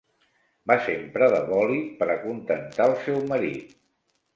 Va sempre de bòlit per acontentar el seu marit.